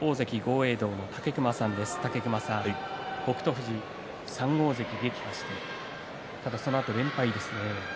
富士、３大関撃破してそのあと連敗ですね。